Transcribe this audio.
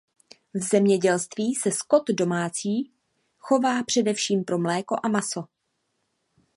V zemědělství se skot domácí chová především pro mléko a maso.